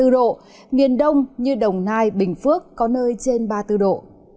ba mươi một ba mươi bốn độ nghiền đông như đồng nai bình phước có nơi trên ba mươi bốn độ